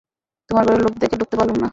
তোমার ঘরে লোক দেখে ঢুকতে পারলুম না।